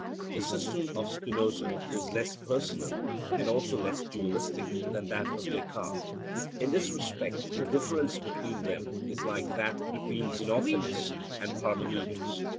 The system of Spinoza is less personal and also less dualistic than that of Descartes. In this respect the difference between them is like that between Xenophanes and Parmenides.